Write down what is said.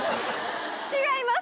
違います。